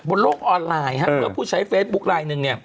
บนโลกออนไลน์เพื่อผู้ใช้เฟซบุ๊คลายนึง